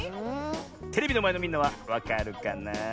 テレビのまえのみんなはわかるかなあ？